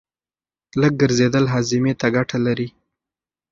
لږ ګرځېدل هاضمې ته ګټه لري.